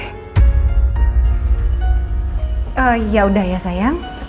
eh yaudah ya sayang